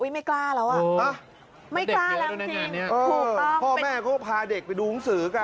อุ๊ยไม่กล้าแล้วอ่ะไม่กล้าแล้วจริงถูกต้องพ่อแม่ก็พาเด็กไปดูมุมสือกัน